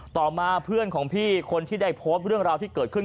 ต่อมาเพื่อนของพี่คนที่ได้โพสต์เรื่องราวที่เกิดขึ้น